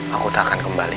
aku tak akan kembali